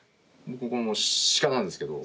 ここのシカなんですけど。